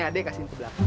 nih adik kasihin sebelah